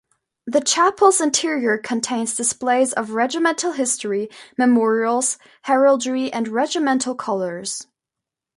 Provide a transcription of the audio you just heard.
The chapel's interior contains displays of regimental history, memorials, heraldry and regimental colours.